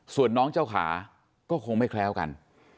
ส่วนน้องเจ้าขาก็คงไม่แคล้วกัน